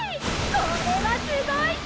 これはすごいぞ！